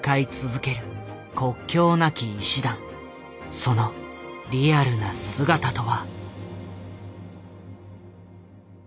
そのリアルな姿とは。